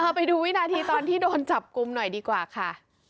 ไปดูวินาทีตอนที่โดนจับกลุ่มหน่อยดีกว่าค่ะ